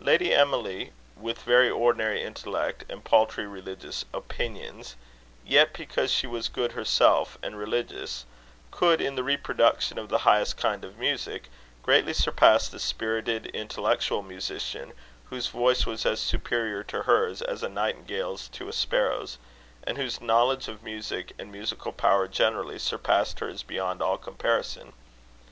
Lady Emily, with very ordinary intellect, and paltry religious opinions, yet because she was good herself, and religious could, in the reproduction of the highest kind of music, greatly surpass the spirited, intellectual musician, whose voice was as superior to hers as a nightingale's to a sparrow's, and whose knowledge of music and musical power generally, surpassed hers beyond all comparison.